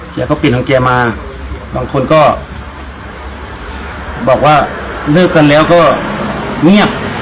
แกก็ปิดของแกมาบางคนก็บอกว่าเลิกกันแล้วก็เงียบ